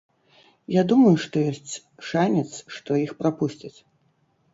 Я думаю, што ёсць шанец, што іх прапусцяць.